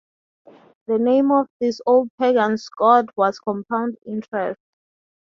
The name of this old pagan's god was Compound Interest.